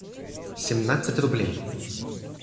семнадцать рублей